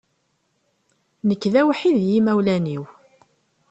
Nekk d awḥid n imawlan-iw.